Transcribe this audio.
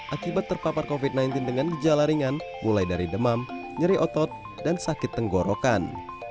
akibat terpapar covid sembilan belas dengan gejala ringan mulai dari demam nyeri otot dan sakit tenggorokan